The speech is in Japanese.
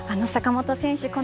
坂本選手